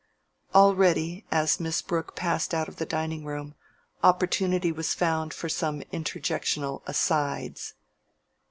Already, as Miss Brooke passed out of the dining room, opportunity was found for some interjectional "asides."